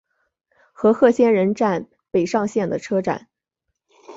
和贺仙人站北上线的车站。